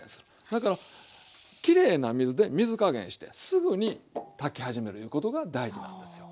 だからきれいな水で水加減してすぐに炊き始めるいうことが大事なんですよ。